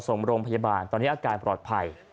ส่งโรงพยาบาลตอนนี้อาการปลอดภัย